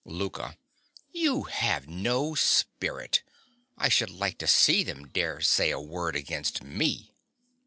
LOUKA. You have no spirit. I should like to see them dare say a word against me!